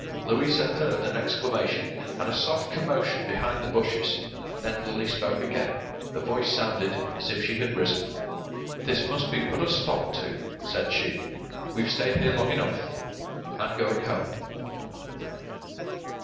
” Louisa heard an exclamation and a soft commotion behind the bushes; then Lily spoke again — the voice sounded as if she had risen. “This must be put a stop to,” said she. “We've stayed here long enough. I'm going home.